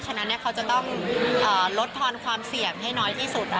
ฉะนั้นเขาจะต้องลดทอนความเสี่ยงให้น้อยที่สุด